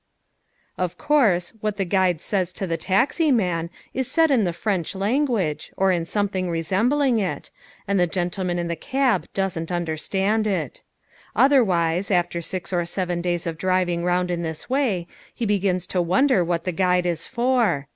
Of course, what the guide says to the taxi man is said in the French language, or in something resembling it, and the gentleman in the cab doesn't understand it. Otherwise, after six or seven days of driving round in this way he begins to wonder what the guide is for.